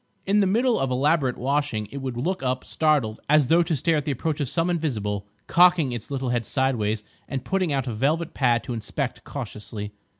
In the middle of elaborate washing it would look up, startled, as though to stare at the approach of some Invisible, cocking its little head sideways and putting out a velvet pad to inspect cautiously.